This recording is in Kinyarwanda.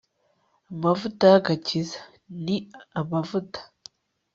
amavuta y'agakiza, ni amavuta